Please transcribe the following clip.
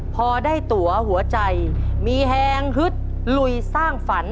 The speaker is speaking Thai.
พอได้ตัวหัวใจมีแฮงฮึดลุยสร้างฝัน